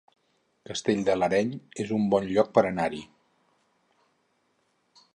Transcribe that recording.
Castell de l'Areny es un bon lloc per anar-hi